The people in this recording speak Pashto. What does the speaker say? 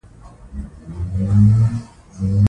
موږ باید د دې ژبې لپاره قرباني ورکړو.